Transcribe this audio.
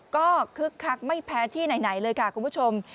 ก็คึกคักไม่แพ้ที่ไหนเลยค่ะคุณผู้ชม